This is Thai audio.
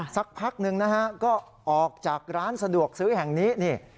สักพักหนึ่งนะฮะก็ออกจากร้านสะดวกซื้อแห่งนี้นี่